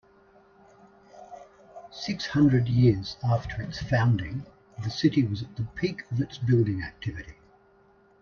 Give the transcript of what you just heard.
Six hundred years after its founding, the city was at the peak of its building activity.